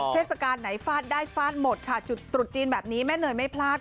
เทศกาลไหนฟาดได้ฟาดหมดค่ะจุดตรุษจีนแบบนี้แม่เนยไม่พลาด